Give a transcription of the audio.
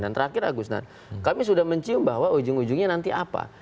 dan terakhir agus kami sudah mencium bahwa ujung ujungnya nanti apa